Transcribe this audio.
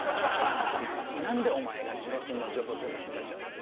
何でお前が千葉君の情報全部答えちゃうの？